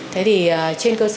thế thì trên cơ sở